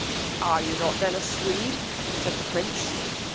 Are you not then a Swede? said the prince.